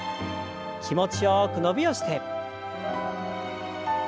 気持ちよく伸びをして。